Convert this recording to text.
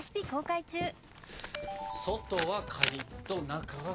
外はカリッと中はフワ。